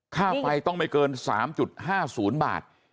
ค่าไฟต้องไม่เกิน๓๕๐บาท